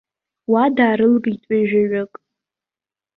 Уа даарылгеит ҩажәаҩык!